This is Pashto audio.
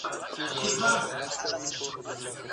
ملنګه ! د کوم دشت هوا پرهر لره دوا ده ..